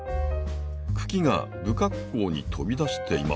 茎が不格好に飛び出していますよね？